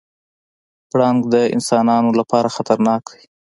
پړانګ د انسانانو لپاره خطرناک دی.